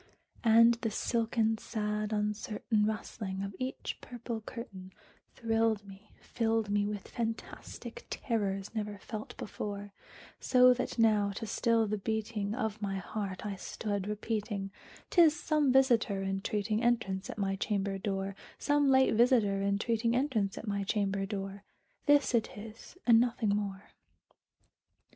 And the silken sad uncertain rustling of each purple curtain Thrilled me filled me with fantastic terrors never felt before; So that now, to still the beating of my heart, I stood repeating "'T is some visiter entreating entrance at my chamber door Some late visiter entreating entrance at my chamber door; This it is, and nothing more."